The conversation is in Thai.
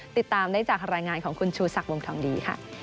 ติดตามได้จากรายงานของคุณชูซักวมทองดี